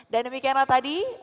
dan demikianlah tadi